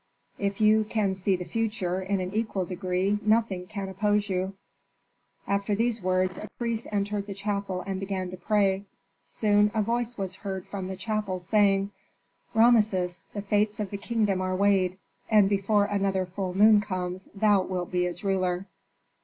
If ye can see the future in an equal degree nothing can oppose you." After these words a priest entered the chapel and began to pray; soon a voice was heard from the chapel, saying, ? "Rameses! the fates of the kingdom are weighed, and before another full moon comes thou wilt be its ruler."